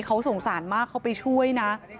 เขาสงสารมากเขาไปช่วยนะ